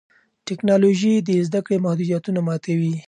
ټیکنالوژي د زده کړې محدودیتونه ماتوي.